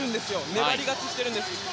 粘り勝ちしているんです。